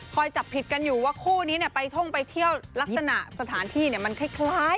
จับผิดกันอยู่ว่าคู่นี้ไปท่องไปเที่ยวลักษณะสถานที่มันคล้าย